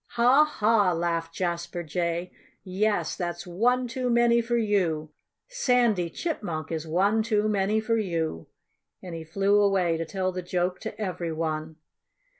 "Ha! ha!" laughed Jasper Jay. "Yes! There's one too many for you. Sandy Chipmunk is one too many for you!" And he flew away to tell the joke to every one.